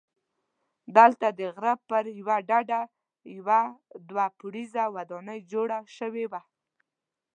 دلته د غره پر ډډه یوه دوه پوړیزه ودانۍ جوړه شوې وه.